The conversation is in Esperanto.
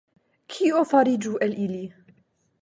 Kio fariĝu el ili?